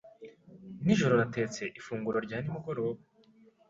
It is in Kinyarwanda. Nijoro natetse ifunguro rya nimugoroba.